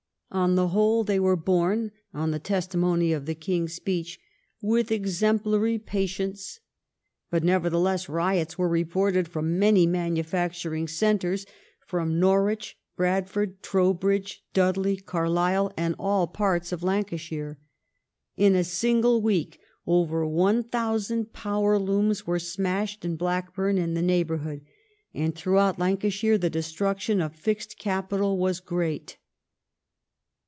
On the whole they were borne, on the testimony of the King's Speech, " with exemplary patience ". But, nevertheless, riots were re ported from many manufacturing centres : from Norwich, Brad ford, Trowbridge, Dudley, Carlisle, and all parts of Lancashire. In a single week over 1,000 power looms were smashed in Blackburn and the neighbourhood, and throughout Lancashire the destruction of fixed capital was great.